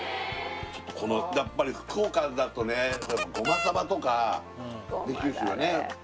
ちょっとこのやっぱり福岡だとねゴマサバとかねっ九州はね